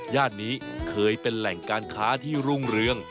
นี้เคยเป็นแหล่งการค้าที่รุ่งเรือง